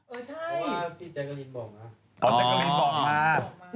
เพราะว่าพี่แจ้งกะลินบอกมา